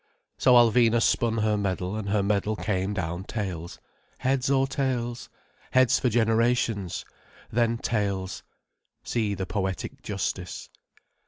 So Alvina spun her medal, and her medal came down tails. Heads or tails? Heads for generations. Then tails. See the poetic justice.